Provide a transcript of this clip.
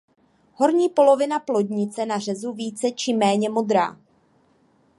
Horní polovina plodnice na řezu více či méně modrá.